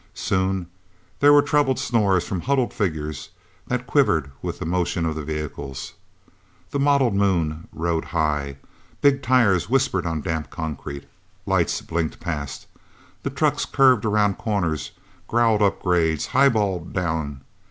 Soon there were troubled snores from huddled figures that quivered with the motion of the vehicles. The mottled Moon rode high. Big tires whispered on damp concrete. Lights blinked past. The trucks curved around corners, growled up grades, highballed down.